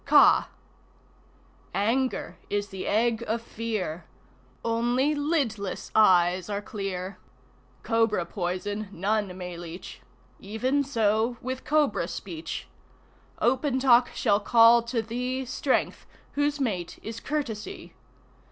Kaa Anger is the egg of Fear Only lidless eyes are clear. Cobra poison none may leech. Even so with Cobra speech. Open talk shall call to thee Strength, whose mate is Courtesy.